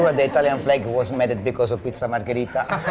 saya yakin panggilan italia itu dibuat karena pizza margarita